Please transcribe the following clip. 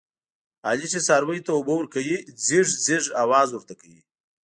علي چې څارویو ته اوبه ورکوي، ځیږ ځیږ اواز ورته کوي.